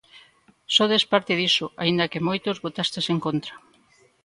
Sodes parte diso, aínda que moitos votastes en contra.